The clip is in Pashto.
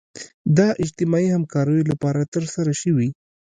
د اجتماعي همکاریو لپاره ترسره شوي.